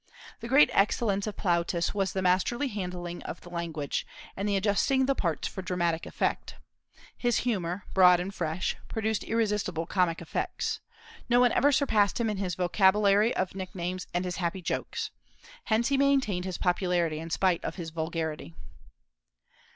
The great excellence of Plautus was the masterly handling of language, and the adjusting the parts for dramatic effect. His humor, broad and fresh, produced irresistible comic effects. No one ever surpassed him in his vocabulary of nicknames and his happy jokes. Hence he maintained his popularity in spite of his vulgarity.